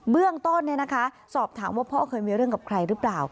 เบื้องต้นสอบถามว่าพ่อเคยมีเรื่องกับใครหรือเปล่า